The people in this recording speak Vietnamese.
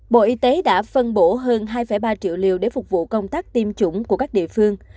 bộ y tế đã phân bổ hơn hai ba triệu liều để phục vụ công tác tiêm chủng của các địa phương